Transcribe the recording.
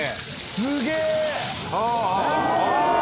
・すげえ。わ！